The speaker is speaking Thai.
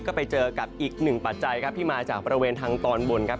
ก็ไปเจอกับอีกหนึ่งปัจจัยครับที่มาจากบริเวณทางตอนบนครับ